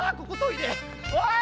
おい！